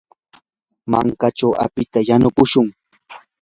mankachaw apita yanukushun.